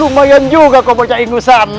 lumayan juga kau baca ingusan